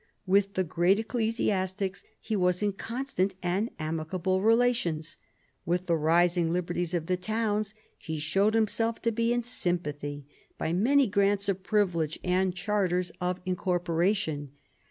With the great ecclesiastics he was in constant and amicable relations. With the rising liberties of the towns he showed himself to be in sympathy by many grants of privilege and charters of I THE FRANKISH MONARCHY 9 incorporation.